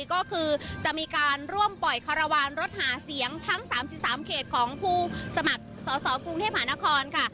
ก็คือจะมีการร่วมปล่อยคารวาลรถหาเสียงทั้ง๓๓เขตของผู้สมัครสอสอกรุงเทพหานครค่ะ